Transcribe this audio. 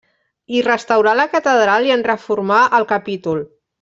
Hi restaurà la catedral i en reformà el capítol.